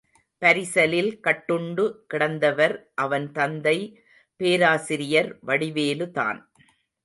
பரிசலில் கட்டுண்டு கிடந்தவர் அவன் தந்தை பேராசிரியர் வடிவேலுதான்.